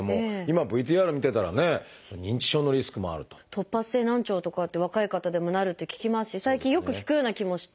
突発性難聴とかって若い方でもなるって聞きますし最近よく聞くような気もして。